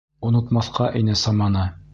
Онотмаҫҡа ине саманы...